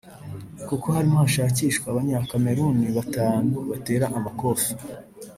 kuko harimo hashakishwa Abanyakameruni batanu batera amakofi